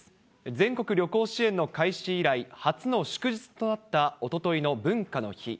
全国旅行支援の開始以来、初の祝日となったおとといの文化の日。